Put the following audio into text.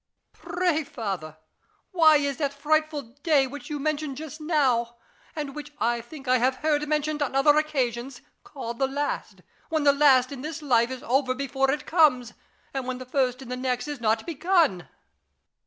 Louis. Pray, Father, why is that frightful day which you mentioned just now, and which I think I have heard mentioned on other occasions, called the last ; when the last in this life is over before it comes, and when the first in the next is not begun 1 La Chaise.